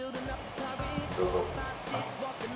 どうぞ。